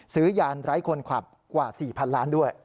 ยานไร้คนขับกว่า๔๐๐๐ล้านด้วย